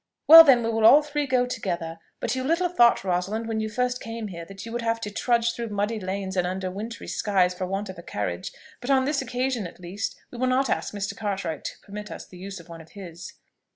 "Well, then, we will all three go together. But you little thought, Rosalind, when you first came here, that you would have to trudge through muddy lanes, and under wintry skies for want of a carriage: but on this occasion, at least, we will not ask Mr. Cartwright to permit us the use of one of his."